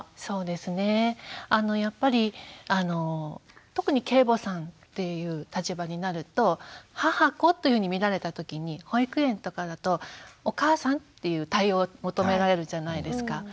そうですねあのやっぱりあの特に継母さんっていう立場になると母子というふうに見られた時に保育園とかだとお母さんっていう対応を求められるじゃないですか。